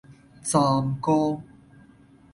湛江